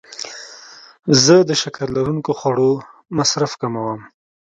زه د شکر لرونکو خوړو مصرف کموم.